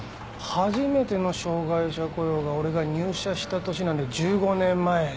初めての障がい者雇用が俺が入社した年なんで１５年前で。